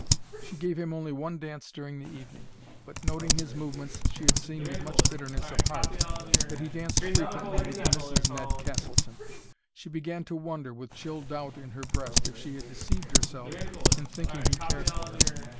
She gave him only one dance during the evening. But, noting his movements, she had seen with much bitterness of heart that he danced frequently with Mrs. Ned Castleton. She began to wonder, with chill doubt in her breast, if she had deceived herself in thinking he cared for her.